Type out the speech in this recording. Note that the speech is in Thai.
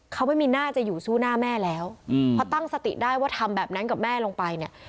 เขาไม่มีหน้าจะอยู่สู้หน้าแม่แล้วเพราะตั้งสติได้ว่าทำแบบนั้นกับแม่ลงไปเนี่ย